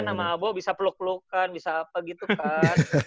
nama abo bisa peluk pelukan bisa apa gitu kan